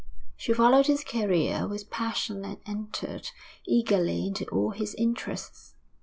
She followed his career with passion and entered eagerly into all his interests.